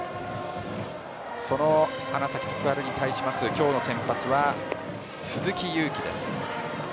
その花咲徳栄に対します今日の先発は鈴木夕稀です。